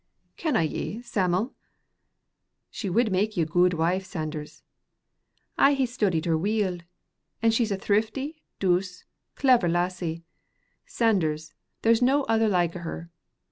"Canna ye, Sam'l?" "She wid make ye a guid wife, Sanders. I hae studied her weel, and she's a thrifty, douce, clever lassie. Sanders, there's no the like o' her.